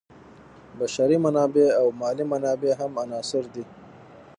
بشري منابع او مالي منابع هم عناصر دي.